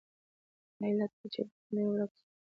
دا علت و چې لیکونه یې ورک شول.